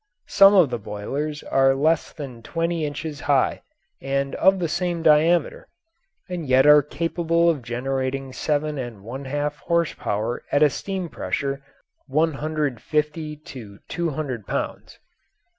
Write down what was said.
Some of the boilers are less than twenty inches high and of the same diameter, and yet are capable of generating seven and one half horse power at a high steam pressure (150 to 200 pounds).